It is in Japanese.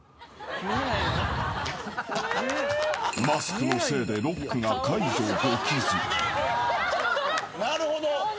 ［マスクのせいでロックが解除できず］